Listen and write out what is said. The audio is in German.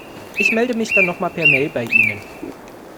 Ich melde mich dann noch mal per Mail bei Ihnen.